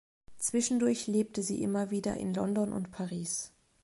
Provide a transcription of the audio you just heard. Zwischendurch lebte sie immer wieder in London und Paris.